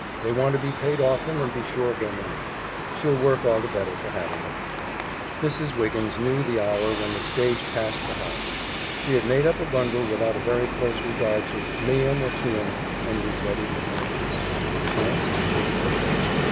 They want to be paid often and be sure of their money. She'll work all the better for having it." Mrs. Wiggins knew the hour when the stage passed the house; she had made up a bundle without a very close regard to meum or tuum, and was ready to flit. The chance speedily came.